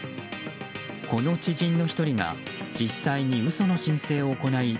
この知人の１人が実際に嘘の申請を行い